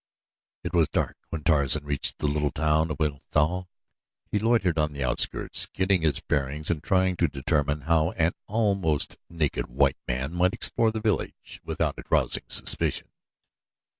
It was dark when Tarzan reached the little hill town of Wilhelmstal. He loitered on the outskirts, getting his bearings and trying to determine how an almost naked white man might explore the village without arousing suspicion.